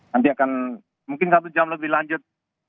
nanti akan mungkin satu jam lebih lanjut